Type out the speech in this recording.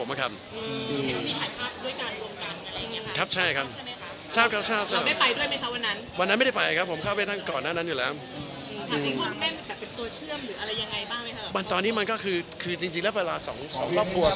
ใช่ค่ะใช่ไม่ค่ะก็ทางหลานไปหาไปหาคุณพ่อผมอะครับ